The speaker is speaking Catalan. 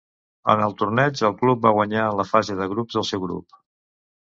En el torneig el club va guanyar en la fase de grups el seu grup.